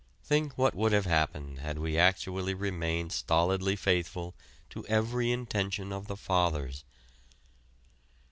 Think what would have happened had we actually remained stolidly faithful to every intention of the Fathers.